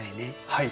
はい。